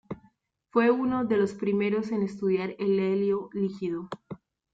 Fue uno de los primeros a estudiar el helio líquido.